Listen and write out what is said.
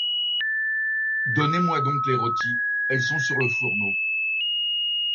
Donnez-moi donc les rôties, elles sont sur le fourneau.